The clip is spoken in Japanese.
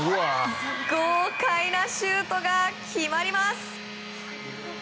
豪快なシュートが決まります。